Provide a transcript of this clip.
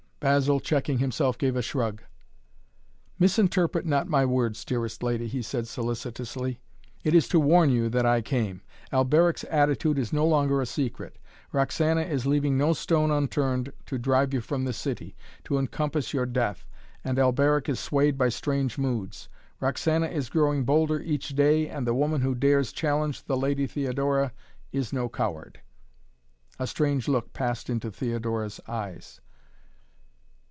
Basil, checking himself, gave a shrug. "Misinterpret not my words, dearest lady," he said solicitously. "It is to warn you that I came. Alberic's attitude is no longer a secret. Roxana is leaving no stone unturned to drive you from the city, to encompass your death and Alberic is swayed by strange moods. Roxana is growing bolder each day and the woman who dares challenge the Lady Theodora is no coward." A strange look passed into Theodora's eyes.